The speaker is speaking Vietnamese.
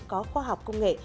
có khoa học công nghệ